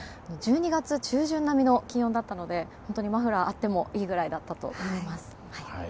１２月中旬並みの気温だったので本当にマフラーがあってもいいぐらいだったと思います。